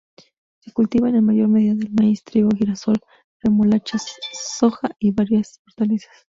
Se cultivan en mayor medida el maíz, trigo, girasol, remolacha, soja y varias hortalizas.